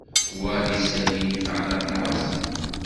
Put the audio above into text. Wa d isali i inefεen aṭas.